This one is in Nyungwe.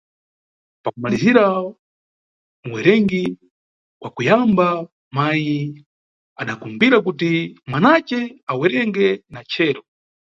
Pa kumaliza uwerengi wa kuyamba, mayi adakumbira kuti mwanace awerenge na chero.